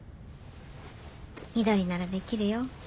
翠ならできるよ。